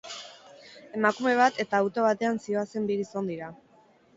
Emakume bat eta auto batean zihoazen bi gizon dira.